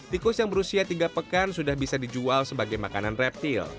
tikus yang berusia tiga pekan sudah bisa dijual sebagai makanan reptil